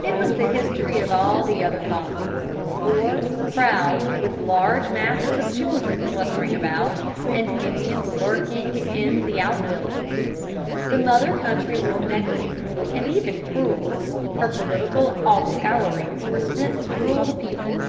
It was the history of all the other Colonies; poor, proud, with large masses of children clustering about, and Indians lurking in the out buildings. The mother country was negligent, and even cruel. Her political offscourings were sent to rule the people.